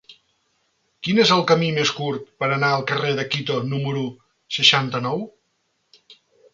Quin és el camí més curt per anar al carrer de Quito número seixanta-nou?